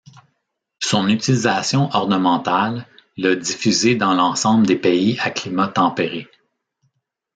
Son utilisation ornementale l'a diffusée dans l'ensemble des pays à climat tempéré.